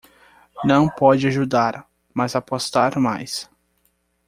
Não pode ajudar, mas apostar mais